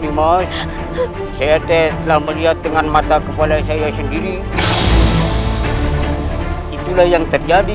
bimo saya telah melihat dengan mata kepala saya sendiri itulah yang terjadi